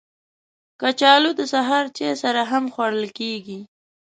کچالو د سهار چای سره هم خوړل کېږي